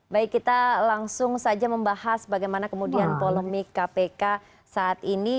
baik kita langsung saja membahas bagaimana kemudian polemik kpk saat ini